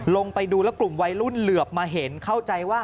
ลงไปดูแล้วกลุ่มวัยรุ่นเหลือบมาเห็นเข้าใจว่า